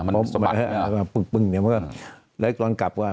พอผ่มแล้วปึ้งแล้วก่อนกลับก็อะ